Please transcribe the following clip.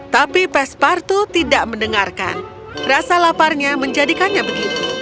tapi pespartu tidak mendengarkan rasa laparnya menjadikannya begitu